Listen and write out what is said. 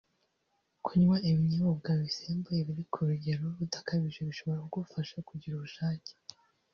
Kunywa ibinyombwa bisembuye biri ku rugero rudakabije bishobora kugufasha kugira ubushake